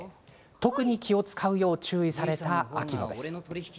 特に気を遣うよう注意された秋乃。